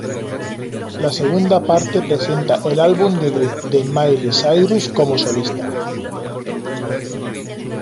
La segunda parte presenta el álbum debut de Miley Cyrus como solista.